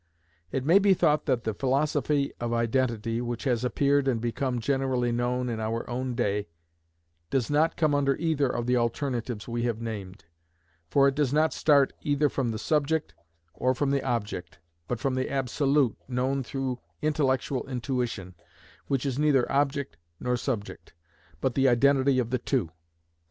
It may be thought that the philosophy of identity, which has appeared and become generally known in our own day, does not come under either of the alternatives we have named, for it does not start either from the subject or from the object, but from the absolute, known through "intellectual intuition," which is neither object nor subject, but the identity of the two.